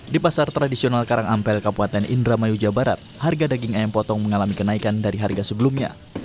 di pasar tradisional karang ampel kabupaten indramayu jawa barat harga daging ayam potong mengalami kenaikan dari harga sebelumnya